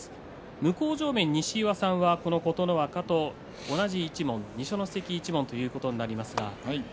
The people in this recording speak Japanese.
向正面西岩さんは琴ノ若と同じ一門二所ノ関一門ということになります。